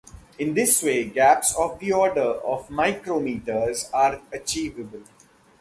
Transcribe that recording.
In this way, gaps of the order of micrometres are achievable.